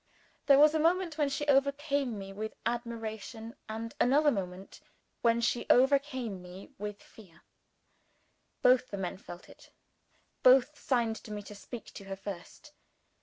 There was a moment when she overcame me with admiration, and another moment when she overcame me with fear. Both the men felt it. Both signed to me to speak to her first.